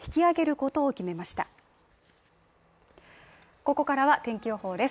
ここからは天気予報です。